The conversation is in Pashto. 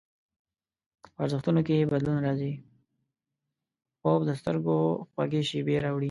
خوب د سترګو خوږې شیبې راوړي